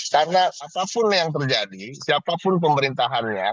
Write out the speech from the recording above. karena apapun yang terjadi siapapun pemerintahannya